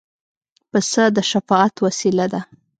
پسه د شفاعت وسیله ده.